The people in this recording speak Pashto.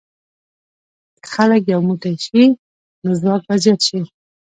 که خلک یو موټی شي، نو ځواک به زیات شي.